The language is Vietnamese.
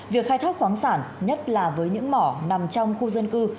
việc khai thác khoáng sản nhất là với những mỏ nằm trong khu dân cư